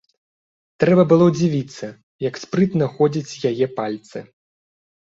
Трэба было дзівіцца, як спрытна ходзяць яе пальцы.